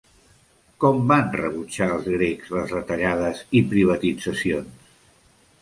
Com van rebutjar els grecs les retallades i privatitzacions?